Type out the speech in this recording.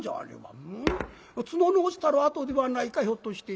ん？角の落ちたる痕ではないかひょっとして。